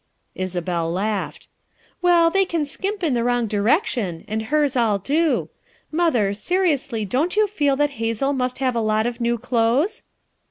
Isabel laughed, "Well, they can skimp in the wrong direction, and hers all do. Mother, seriously don't you feel that Hazel must have a lot of new clothes?"